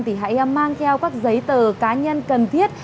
thì hãy mang theo các giấy tờ cá nhân cần thiết